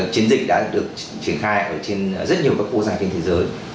chiến dịch đã được triển khai ở trên rất nhiều các quốc gia trên thế giới